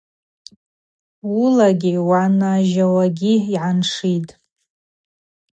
Уыла уанажьауагьи гӏаншитӏ.